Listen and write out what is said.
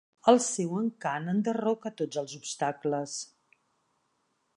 El seu encant enderroca tots els obstacles.